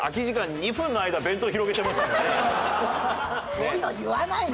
そういうのは言わないの！